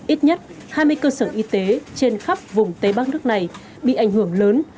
ít nhất hai mươi cơ sở y tế trên khắp vùng tây bắc nước này bị ảnh hưởng lớn